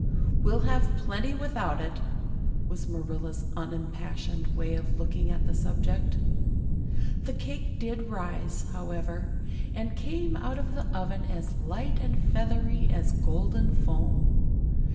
"We'll have plenty without it" was Marilla's unimpassioned way of looking at the subject. The cake did rise, however, and came out of the oven as light and feathery as golden foam.